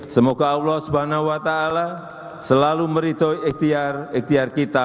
semoga allah swt selalu meritoi ikhtiar ikhtiar kita